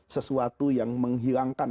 sesuatu yang menghilangkan